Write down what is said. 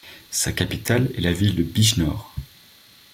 Sa capitale est la ville de Bijnor.